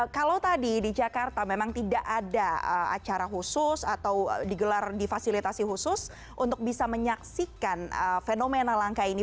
kalau tadi di jakarta memang tidak ada acara khusus atau digelar di fasilitasi khusus untuk bisa menyaksikan fenomena langka ini